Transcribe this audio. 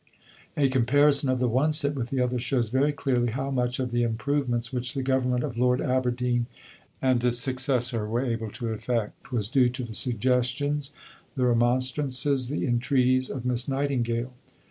A comparison of the one set with the other shows very clearly how much of the improvements which the Government of Lord Aberdeen and its successor were able to effect was due to the suggestions, the remonstrances, the entreaties of Miss Nightingale.